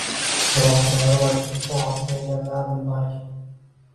Biror hunarmandlik sohasini egallardim balki.